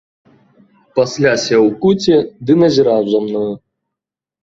Пасля сеў у куце ды назіраў за мною.